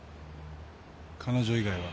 彼女以外は。